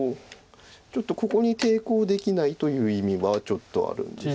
ちょっとここに抵抗できないという意味はちょっとあるんです。